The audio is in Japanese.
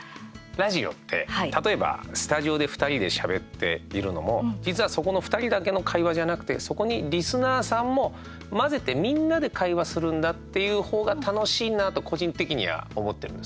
ラジオって例えばスタジオで２人でしゃべっているのも実はそこの２人だけの会話じゃなくて、そこにリスナーさんも混ぜて、みんなで会話するんだっていう方が楽しいなと個人的には思ってるんですね。